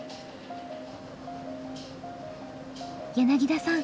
柳田さん